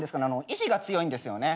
意志が強いんですよね。